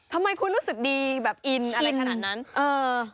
ทำไมคุณรู้สึกดีแบบอินอะไรขนาดนั้นเออ